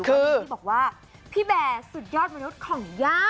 อย่างที่บอกว่าพี่แบร์สุดยอดมนุษย์ของย่า